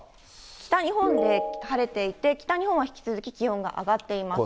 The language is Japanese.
北日本で晴れていて、北日本は引き続き気温が上がっています。